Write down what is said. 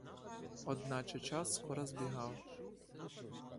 Одначе час скоро збігав.